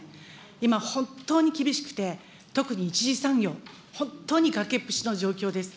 今、本当に厳しくて、特に１次産業、本当に崖っぷちの状況です。